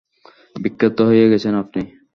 বিখ্যাত হয়ে গেছেন আপনি।